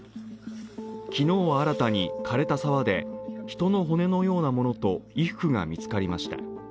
昨日は新たに枯れた沢で人の骨のようなものと衣服が見つかりました。